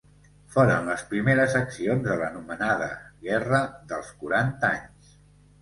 Foren les primeres accions de l'anomenada guerres dels quaranta anys.